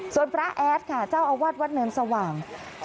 ส่วนพระแอดค่ะเจ้าอาวาสวัดเนินสว่าง